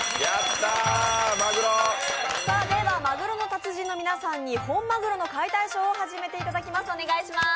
鮪達人の皆さんに本マグロの解体ショーを始めていただきます。